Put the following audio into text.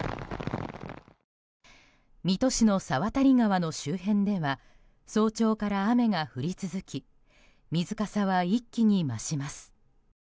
水戸市の沢渡川の周辺では早朝から雨が降り続き水かさは一気に増します。